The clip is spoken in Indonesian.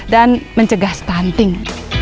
dan mencegah stunting